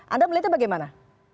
anda melihatnya bagaimana